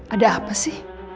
ada apa sih